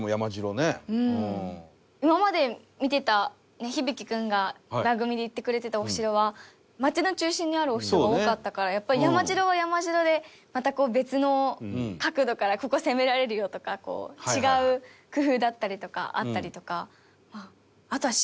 今まで見てた響大君が番組で言ってくれてたお城は町の中心にあるお城が多かったからやっぱり山城は山城でまた別の角度からここ攻められるよとか違う工夫だったりとかあったりとか。